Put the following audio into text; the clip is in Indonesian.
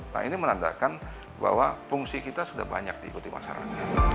nah ini menandakan bahwa fungsi kita sudah banyak diikuti masyarakat